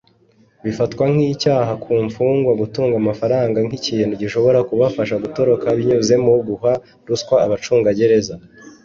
Bifatwa nk’icyaha ku mfungwa gutunga amafaranga nk’ikintu gishobora kubafasha gutoroka binyuze mu guha ruswa abacungagereza